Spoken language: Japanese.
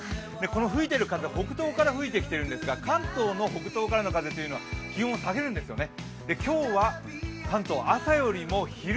この吹いている風、北東から吹いてきているんですが、関東の北東からの風というのは気温を下げるんですよね。